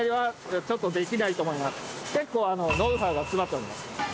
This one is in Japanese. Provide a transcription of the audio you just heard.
結構ノウハウが詰まっております